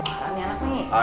marah nih anak nih